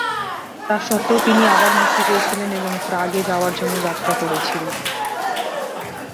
তা সত্ত্বেও, তিনি আবারও মুক্তি পেয়েছিলেন এবং প্রাগে যাওয়ার জন্য যাত্রা করেছিলেন।